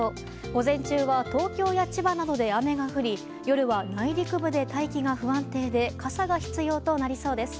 午前中は東京や千葉などで雨が降り夜は内陸部で、大気が不安定で傘が必要になりそうです。